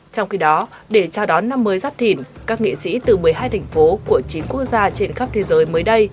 trong khi đó để chào đón năm mới giáp thỉn các nghệ sĩ từ một mươi hai thành phố của chín quốc gia trên khắp thế giới mới đây